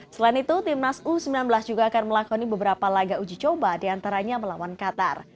selain itu timnas u sembilan belas juga akan melakoni beberapa laga uji coba diantaranya melawan qatar